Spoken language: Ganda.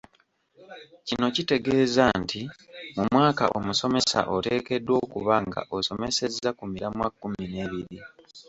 Kino kitegeeza nti mu mwaka omusomesa oteekeddwa okuba nga osomesezza ku miramwa kkumi n’ebiri.